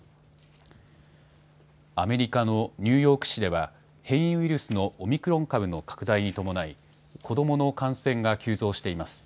アメリカのニューヨーク市では、変異ウイルスのオミクロン株の拡大に伴い、子どもの感染が急増しています。